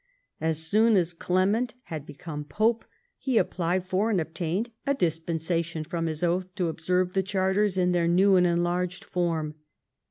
As soon as Clement had become pope, he applied for and obtained a dispensation from his oath to observe the Charters in their new and enlarged form.